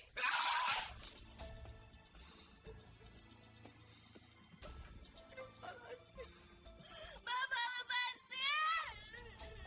kalau bapak itu materialistis